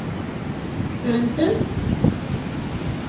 Rrant-am-t.